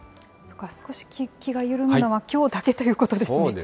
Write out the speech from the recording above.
少し気が緩むのはきょうだけということですね。